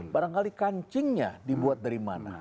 barangkali kancingnya dibuat dari mana